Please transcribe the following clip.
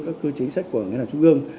các cơ chế chính sách của ngân hàng trung ương